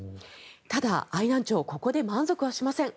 ただ、愛南町ここで満足はしません。